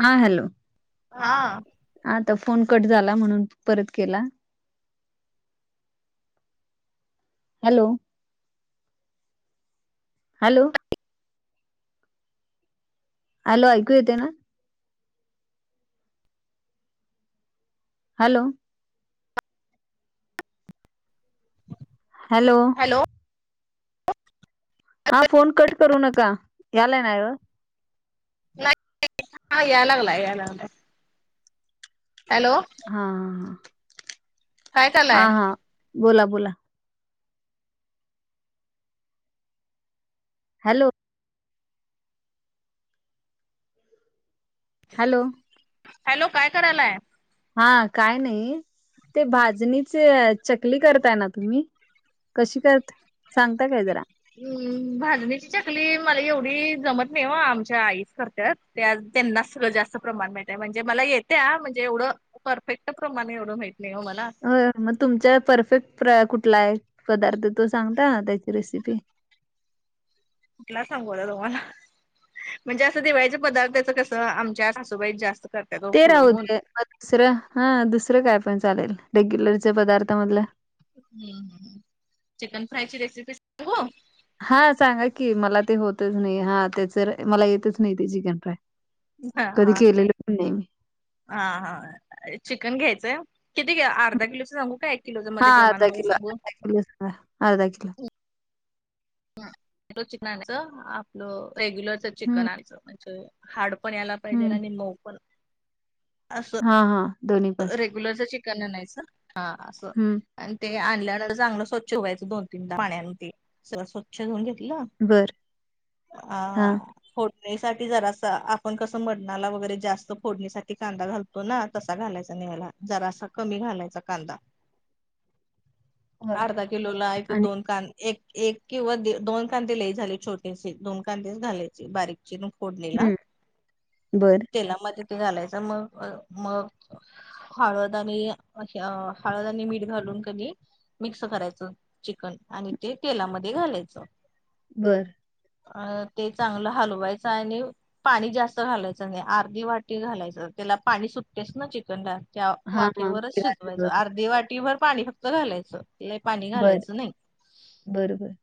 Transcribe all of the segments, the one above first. हा हॅलो. हा. आता फोन कट झाला म्हणून परत केला. हॅलो. हॅलो. हॅलो ऐकू येते ना. हॅलो. हॅलो. हॅलो. हा फोन कट करू नका यालाय ना. नाही याय लागला याय लागलाय. हॅलो. हा हा. काय करालाय हा हा बोला बोला. हॅलो. हॅलो. हॅलो काय करायलाय. हा काय नाही ते भाजणीचे चकली करताय ना तुम्ही. कशी करत सांगता काय जरा. हम् भाजणीची चकली मला एवढी जमत नाही वा आमच्या आईच करतत.. त्या त्यांना सगं जास्त प्रमाण मिळत म्हणजे मला येते म्हणजे एवढं. परफेक्ट प्रमाणे एवढं माहित नाही हो मला.. हो मग तुमचा परफेक्ट कुठला आहे पदार्थ तो सांगता त्याची रेसिपी.. कुठला सांगूलं तुम्हाला.. म्हणजे असं दिवाळीच्या पदार्थाचं कसं आमच्या सासूबाई जास्त.. करत्यात ओ ते राहू पुरवून दे दुसरं हा दुसरं काय पण चालेल रेग्युलरच्या पदार्था मधलं.. ह् चिकन फ्राय ची रेसिपी सांगू.. हा सांगा की मला ते होतच नाही हा त्याच मला येतच नाही ते चिकन फ्राय.. हा कधी हा केलेलं पण नाही मी.. हा हा चिकन घ्यायचंय किती घ अर्धा किलोच सांगू का एक. किलो हा मध्ये अर्धा प्रमाणामध्ये किलो सांगू.. अर्धा अर्धा किलो.. चिकन आणचं आपलं रेग्युलरच चिकन हम्म आणचं म्हणजे.. पण याला पाहिजे हम्म आणि मऊ पण अस. हां हां. रे. हम्म आणि ते आणल्यान चांगलं स्वच्छ धुवायचं दोन तीनदा पाण्या ते सगळं स्वच्छ धुवून घेतलं. बर हा ह. फोडणीसाठी जरा स आपण कसं मरणाला वगैरे जास्त फोडणीसाठी कांदा घालतो ना तस. घालायचा नि याला जरा सा कमी घालायचा कांदा अर्धा. किलोला एक आणि दोन कांद एक एक किंवा दोन कांदे लई झाले छोटेसे दोन कांदेच झाले. बारीक चिरून. फोडणीला हम्म बर तेलामध्ये ते घालायच मग मग. हळद आणि हळद आणि मीठ घालून कणी. मिक्स करायचं. बरं. अ ते चांगलं हलवायचं आणि. पाणी जास्त घालायचं नाही अर्धी वाटी घालायचं त्याला पाणी सु. चिकनद ला त्या हा हा वाफेवरच शिजवायचं बर अर्धे वाटी भर पाणी फक्त घालायचं. य पाणी बर घालायचं नाही. बर बर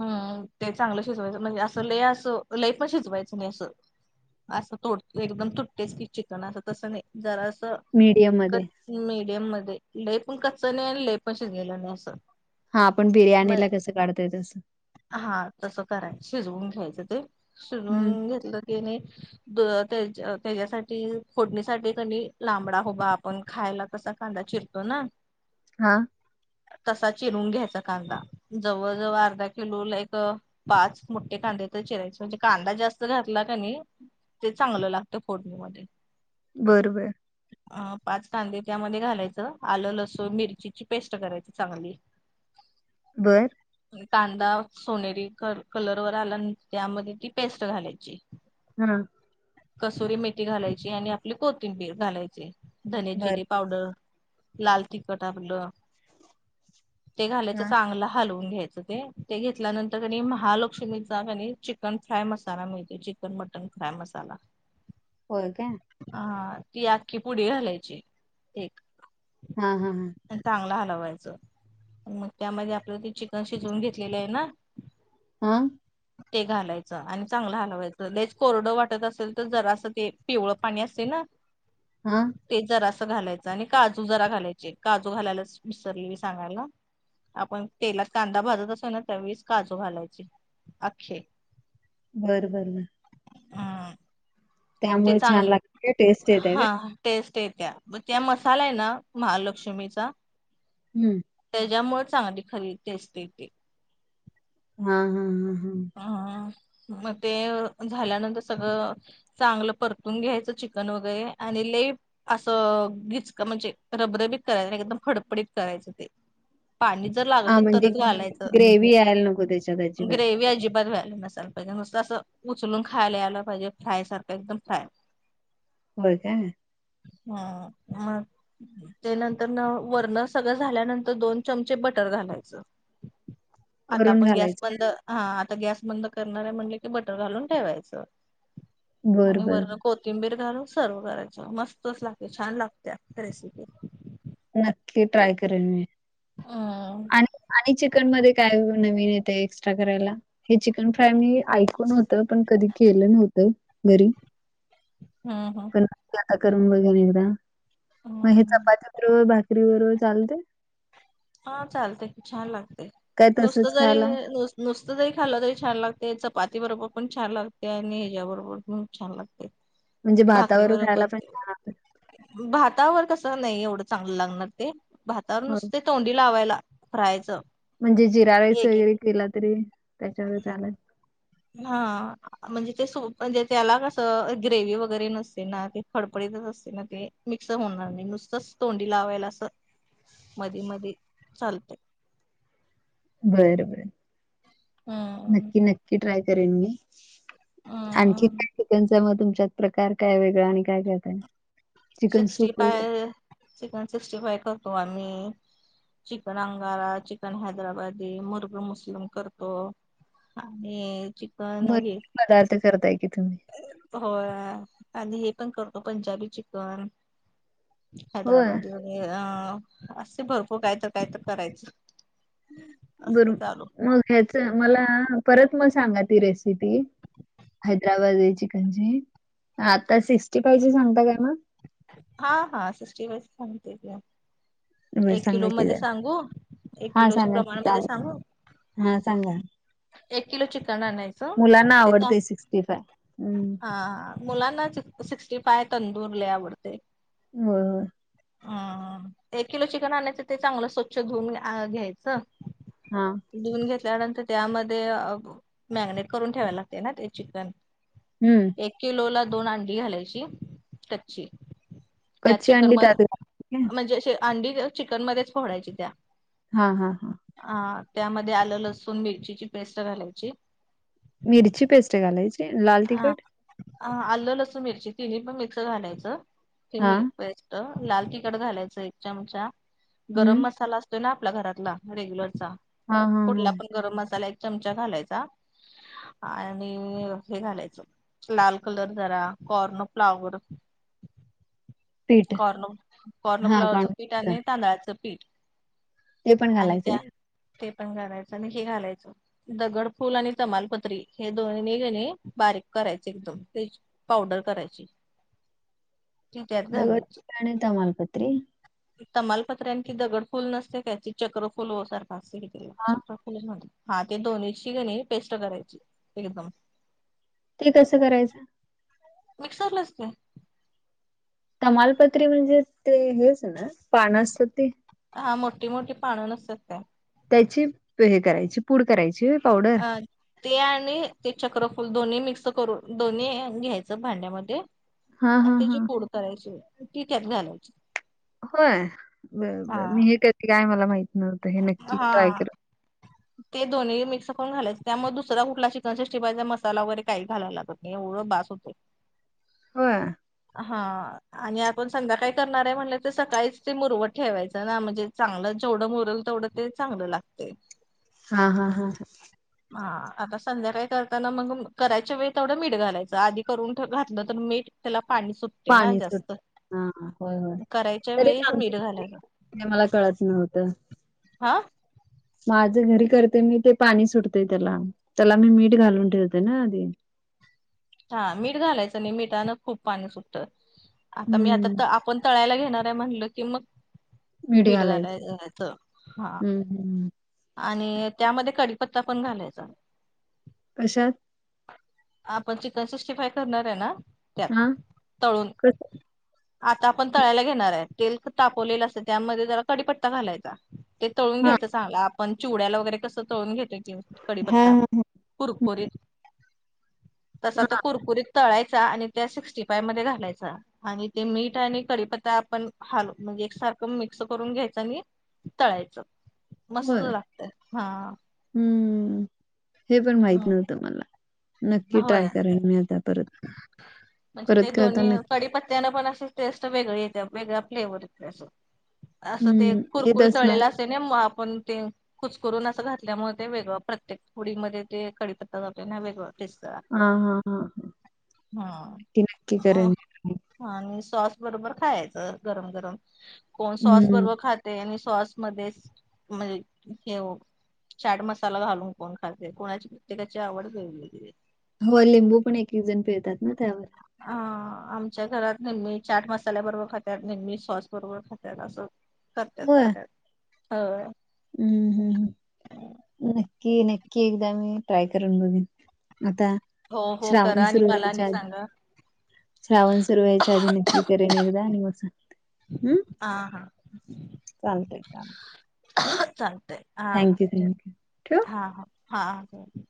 हम् ते चांगलं शिजवायचं म्हणजे असं लय असं लय पण शिजवायचं नाही असं. असं तोड एकदम तुटेस्. मीडियम मध्ये. मीडियम मध्ये लई पण कच्च नाही आणि लई पण शिजलेल नाही अस. हा आपण बिर्याणीला कसं काढतोय तसं. हा तसं कराय शिजवून घ्यायचं ते हम्म शिजवून घेतलं. णे त्याच्यासाठी फोडणीसाठी. लांबडा हबा आपण खायला कसा कांदा चिरतो ना हा. तसा चिरून घ्यायचा कांदा जवळ जवळ अर्धा किलो ला एक. पाच मोठे कांदे तर चिरायचे म्हणजे कांदा जास्त घातला का नाही. ते चांगलं लागतं फोडणीमध्ये. बर बर. अ पाच कांदे त्यामध्ये घालायचं आलं लसूण मिरचीची पेस्ट करायची चांगली. बरं. कांदा सोनेरी कलर वर आला त्यामध्ये ती पेस्ट घालायची. हा. कसुरी मेथी घालायची आणि आपली कोथिंबीर घालायची. धनी जिरीे बर बर पावडर लाल तिखट आपलं ते घालायचं हा चांगलं हलवून घ्यायचं ते ते घेतल्यानंतर त्यांनी महालक्ष्मीचा कनी चिकन फ्राय मसाला मिळते चिकन मटन फ्राय मसाला हो का हा ती आखखी पुढे घालायची एक हा हा हा चांगला हलवायचं मग त्यामध्ये आपलं ते चिकन शिजवून घेतलेलं आहे ना हा ते घालायचं आणि चांगलं हलवायचं च कोरडं वाटत असेल तर जरा असं ते पिवळ पाणी असतील ना हा ते जरा असं घालायचं आणि काजू जरा घालायचे काजू घालायलाच विसरली मी सांगायला आपण तेलात कांदा भाजत असो ना त्यावेळीस काजू घालायचे आखे बरं बर हम् ते त्यामुळे छान चांगलं लागते का? टेस्ट येते काय? हा टेस्ट आहे त्या त्या मसाला आहे ना महालक्ष्मीचा हम्म त्याच्यामुळे चांगली खरेदी असते ती, हा हा हा हम अ मग ते झाल्यानंतर सगळं चांगलं परतून घ्यायचं चिकन वगैरे आणि लेफ असं घिचक म्हणजे रबरबीत करायचं एकदम फडपडीत करायचं ते पाणी जर हा लागल म्हणजे तरच घालायचं ग्रेव्ही यायला नको त्याच्यात अजिबात ग्रेव अजिबात व्यायला नसायला पाहिजे मस्त असं उचलून खायला यायला पाहिजे फ्राय सारखं एकदम फ्राय होय काय, हा मग ते नंतर न वरण सगळं झाल्यानंतर दोन चमचे बटर घालायचं. आता वरून आपण गॅस घालायचं का बंद हा आता गॅस बंद करणार आहे म्हण की बटर घालून ठेवायच बर आणि बर वर किंबीर घाल सर्व करायच मस्तच लागते छान लागते रेसिपी नक्की ट्राय करेन मी, ह आणि आणि चिकन मध्ये काय नवीन येते एक्स्ट्रा करायला. हे चिकन फ्राय मी ऐकून होतं पण कधी केलं नव्हतं घरी हम हम पण आता करून बघ एकदा मग हे हम्म चपाती बरोबर भाकरी बरोबर चालते. हा चालते खूप छान लागते काय नुसतं तसच तरी खायला नुस नुसतं जरी खालं तरी छान लागते चपाती बरोबर पण छान लागते आणि हच्या्याबरोबर पण छान लागते. म्हणजे भाकरी भातावर बरोबर खायला पण छान लागतं. भातावर कसं नाही एवढं चांगलं लागणार ते भातावर नुस होय तोंडी लावायला फ्रायचं, म्हणजे जिरा राईस एक एक वगैरे केला तरी त्याच्यावर चालाय. हा म्हणजे ते सूप म्हणजे त्याला कसं ग्रेव वगैरे नसते ना ते फडफडीतच असते ना ते मिक्स होणार नाही नुसतंच तोंडी लावायला असं मधी मध चालतय. बर बर हा नक्की नक्की ट्राय करेन मी आणखी हम्म का चिकनचा मग तुमच्या प्रकार काय वेगळा आणि काय करताय. चिकन सिक्स्टी सूप वगैरे फाय चन सिक्स्टी फाय करतो आम्ही चिकन अंगारा, चिकन हैदराबाददी, मुरब मुस्लिम करतो. आणि चिकन हे. भरपूर पदार्थ करताय की तुम्ही हो आणि हे पण करतो. पंजाबी चिकन होय हैदराबादला अ असे भरपूर काय तर काय तर करायचं. बर असं चालू मग ह्याच मला परत मग सांगा ती रेसिपी हैदराबाद चिकनची आता सिक्स्टी फाई ची सांगता काय मग हा हा सिक्स्टी फाय ची सांगते की, बरं एक सांगा किलो की मध्ये जरा सांगू एक हा किलोच्या सांगा की प्रमाण मध्ये चालतंय सांगू हा सांगा, एक किलो चिकन आणायचं मुलांना आवडते सिक्स्टी फाय हम् हा हा मुलांना सिक्स्टी फाय, तंदुर लाय आवडते. हो ह एक किलो चिकन आणायचं ते चांगलं स्वच्छ धुन घ्यायचं. हा धुून घेतल्यानंतर त्यामध्ये मॅगिनेट करून ठेवायला लागते ना ते चिकन हम्म एक किलो ला दोन अंडी घालायची कच्ची त्यात कच्ची चिकन अंडी म त्यात घालायची काय म्हणजे अे अंडी चिकनमध्येध्येच फोडायची त्या हा हा हा हा त्यामध्ये आलं लसण मिरचीची पेस्ट घालायची मिरची पेस्ट घालायची लाल तिखट हा आलं लसूण मिरची तिन्ही पण मिक्सर घालायचं हे हां, मि ेस् लाल तिखट घालायच एक चमचा गरम हं. मसाला तो न आपल्या घरातला रेग्युलरचा हां, हां, कुठला हां. पण गरम मसाला एक चमचा घालायचा आणि हे घालायचं लाल कलर जरा कॉर्न फ्लावर पीठ. कॉर्न कॉर्न हां, फ्लावरचं पीठ कॉर्नफ्लोअर. आणि तांदळाचं पीठ ते पण आणि त्या घालायचंय. ते पण घालायचं आणि हे घालायचं दगडफूल आणि तमालपत्री हे दोन्ही गणे बारीक करायची एकदम ते पावडर करायची ती त्यात घालायची दगडफूल आणि तमालपत्री. तमालपत्र आणखी दगडफुल नसते काय त चक्रफुल हो सारखा असते काहीतरी हां, चक्रफुलच म्हणतात हा ते दोन्हीची घणी पेस्ट करायची एकदम ते कसं करायचं मिक्सरलाचते तमालपत्री म्हणजे ते हेच ना पान असत ते हा मोठी मोठी पाणं नसतात का त्याची हे करायची पूड करायची पावडर अ ते आणि ते चक्रफूल दोन्ही मिक्स करून दोन्ही घ्यायचं भांड्यामध्ये हां, आणि हां, त्याची हां. फोड करायची ती त्यात घालायची होय बर हा बर मी हे करते काय मला माहित नव्हतं हे नक्की ट्राय हा कर ते दोन्ही मिक् करून घालायच त्यामुळे दुसरा कुठ चिकन सिस्टीपाईजचा मसाला वगैरे काही घायला लागत नाही एवढं भास होते [inaudible] होय? हा आणि आपण संध्या काय करणार आहे म्हणले तर सकाळीच ते मुरवट ठेवायचं ना म्हणजे चांगलं जेवढं मुरल तेवढं ते चांगलं लागते हा हा हा हा हा आता संध्याकाळी करताना मग करायच्या वेळी तेवढं मीठ घालायचं आधी करून घातलं तर मीठ त्याला पाणी सु पाणी सु हा होय होय करायच्या तरी वेळेस सांग मीठ घालायचं हे मला कळत नव्हतं हा माझे घरी करते मी ते पाणी सुटते त्याला त्याला मी मीठ घालून ठेवते ना आधी हा मीठ घालायचं नाही मिठानं खूप पाणी सुटत आता मी आता हम्म तर आपण तळायला घेणार आहे म्हणलं की मग मीठ वीड घालायचं झालात हा हम्म हम्म आणि त्यामध्ये कडीीपत्ता पण घालायचा कशाात पण चिकन सिक्स्टी फाय करणार आहे ना त्यात हा तळून कस आता आपण तळायला घेणार आहे तेल तापवलेलं असत त्यामध्ये जरा कडीीपत्ता घालायचा ते तळून हा घ्यायचं चांगला आपण चिवड्याला वगैरे कसं तळून घेतय हा कडीीपत्ता हा पुरपोर तसा हा त हा कुरकुरीत तळायचा आणि त्या सिक्स्टी फायव मध्ये घालायचा आणि ते मीठ आणि करीपत्ता आपण हालो म्हणजे एकसारखं मिक्स करून घ्यायचं नाही तळायचं होय मस्त लागत हा हम्म हे पण माहित नव्हतं मला नक्की ट्राय होय केल मी आता परत म्हणजे ते परत करता दो्ही नक्की पडीपत्यां पण असे टेस्ट वेगळे येते वेगळ्या फ्लेवर असं असं ते हम्म येत कुरकुरीत असणार तळलेलं असे ना मग आपण ते कुचकरुून असं घातल्यामुळे ते वेगळं प्रत्येक फडीमध्येध्ये ते कडीपत्ता जातले ना वेगळं टेस्ट हा लागत्या हा हा हा ती नक्की हा करेन आणि सॉस बरोबर खायचं गरम गरम कोण सॉस हम्म बरोबर खात तेनी सॉसमध्येध्ये म्हणज घेऊ चाट मसाला घालून कोण खाते कोणाची प्रत्येकाची आवड घई हो लिंबू पण एक एक जण पेळतात ना त्यावर अ आमच्या घरात नेहमी चाट मसाल्या बरोबर खातात नेहमी सॉस बरोबर खातात असं करतच होय खरच हो हम्म हम् नक्की नक्की एकदा मी ट्राय करून बघन आता हो हो श्रावण करा आणि सुरू मला आणि व्हायच्या आधी सांगा श्रावण सुरू वयच्या आधी नक्की करेन एकदा आणि म हम्म हा हा चालतय चालत चगते थँक्यू थँक्यू ठ हा